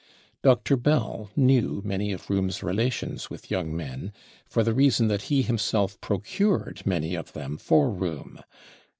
Dr. Bell knew many of RohnTs relations with young men, for the reason that he himself procured ^any of them for Rohm.